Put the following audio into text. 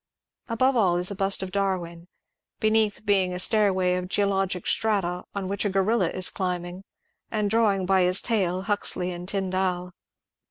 Above all is a bust of Darwin, beneath being a stairway of geologic strata on which a gorilla is climbing, and drawing by his tail Huxley and Tyndall.